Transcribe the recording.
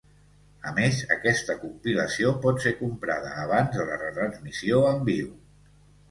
A més, aquesta compilació pot ser comprada abans de la retransmissió en viu.